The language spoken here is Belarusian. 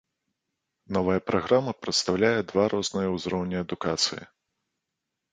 Новая праграма прадстаўляе два розныя ўзроўні адукацыі.